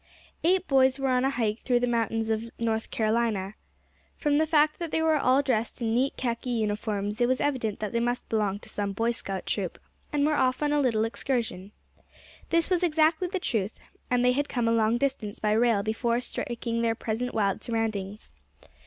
Eight boys were on a hike through the mountains of North Carolina. From the fact that they were all dressed in neat khaki uniforms it was evident that they must belong to some Boy Scout troop; and were off on a little excursion. This was exactly the truth; and they had come a long distance by rail before striking their present wild surroundings.